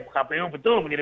kpu betul menjadi